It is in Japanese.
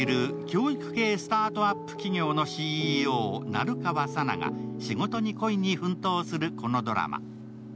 教育系スタートアップ企業のＣＥＯ成川佐奈が仕事に恋に奮闘するこのドラマ。